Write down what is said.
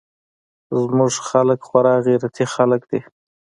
زموږ خلق خورا غيرتي خلق دي.